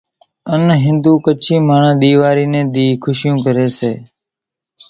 ان ھنڌو ڪڇي ماڻۿان ۮيواري ني ۮي خوشيون ڪري سي